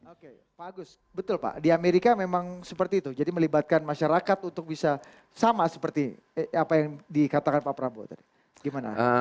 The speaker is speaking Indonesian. oke pak agus betul pak di amerika memang seperti itu jadi melibatkan masyarakat untuk bisa sama seperti apa yang dikatakan pak prabowo tadi gimana